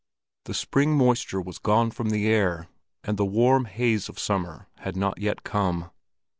The spring moisture was gone from the air, and the warm haze of summer had not yet come.